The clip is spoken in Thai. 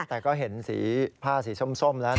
แต่ก็เห็นสีผ้าสีส้มแล้ว